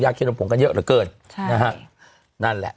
เคนมผงกันเยอะเหลือเกินใช่นะฮะนั่นแหละ